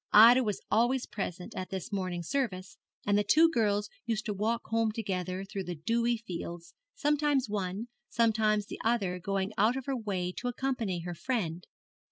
Ida was always present at this morning service, and the two girls used to walk home together through the dewy fields, sometimes one, sometimes the other going out of her way to accompany her friend.